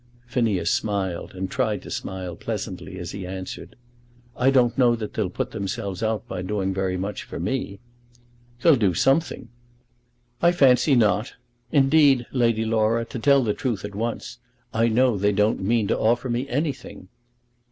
Phineas smiled, and tried to smile pleasantly, as he answered, "I don't know that they'll put themselves out by doing very much for me." "They'll do something." "I fancy not. Indeed, Lady Laura, to tell the truth at once, I know that they don't mean to offer me anything."